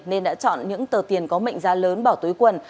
nên đã chọn những tờ tiền có mệnh ra lớn bỏ túi quần